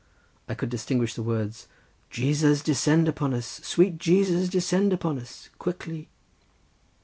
I could distinguish the words, "Jesus descend among us! sweet Jesus descend among us—quickly."